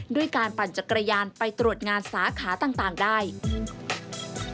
ด้วยการปั่นจักรยานไปตรวจงานสาขาต่างได้